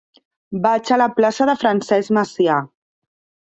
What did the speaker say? Vaig a la plaça de Francesc Macià.